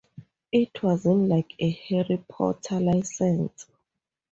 It wasn't like a "Harry Potter" license.